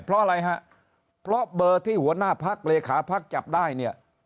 เพราะอะไรฮะเพราะเบอร์ที่หัวหน้าพักเลขาพักจับได้เนี่ย